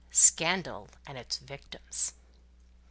SCANDAL AND ITS VICTIMS.